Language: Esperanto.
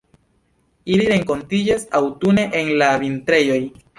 Ili renkontiĝas aŭtune en la vintrejoj.